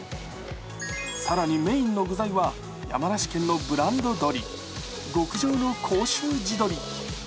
更に、メインの具材は山梨県のブランド鶏、極上の甲州地どり。